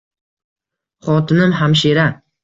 Xotinim hamshira.